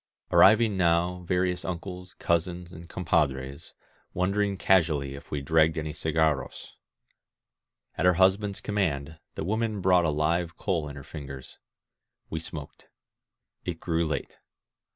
Arrived now various uncles, cousins, and compadres, wondering casually if we dragged any cigarros. At her husband's command, the woman brought a live coal in her fingers. We smoked. It grew late.